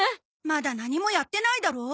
まだ何もやってないだろ。